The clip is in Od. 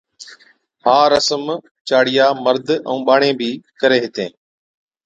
ھا رسم چاڙِيا، مرد ائُون ٻاڙين بِي ڪري ھِتين